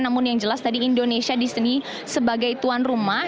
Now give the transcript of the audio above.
namun yang jelas tadi indonesia disini sebagai tuan rumah